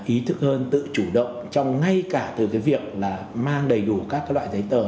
ý thức hơn tự chủ động trong ngay cả từ cái việc là mang đầy đủ các loại giấy tờ